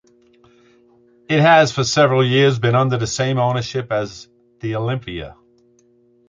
It has for several years been under the same ownership as the Olympia.